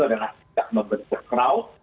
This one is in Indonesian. adalah kita membentuk crowd